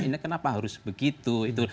ini kenapa harus begitu